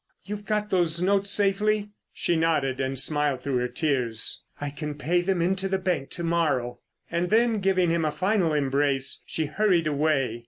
You've got those notes safely?" She nodded, and smiled through her tears. "I can pay them into the bank to morrow." And then, giving him a final embrace, she hurried away.